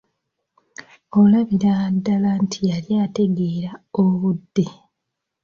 Olabira ddala nga yali ategeera obudde.